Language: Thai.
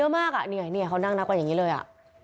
เยอะมากอ่ะเขานั่งนับกว่าอย่างนี้เลยอ่ะ